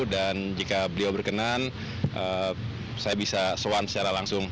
dan jika beliau berkenan saya bisa soan secara langsung